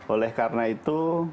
oleh karena itu